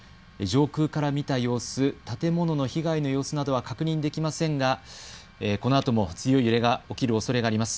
上空から見た様子、建物の被害の様子などは確認できませんがこのあとも強い揺れが起きるおそれがあります。